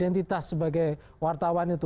identitas sebagai wartawan itu